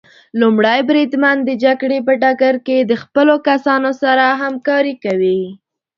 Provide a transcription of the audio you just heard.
لومړی بریدمن د جګړې په ډګر کې د خپلو کسانو سره همکاري کوي.